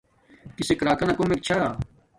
کسک راکانا کومک چھا